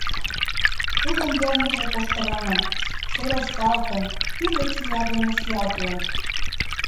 Тудын йылмыже коштыраҥын, шелышталтын, тӱрлӧ чия дене чиялген.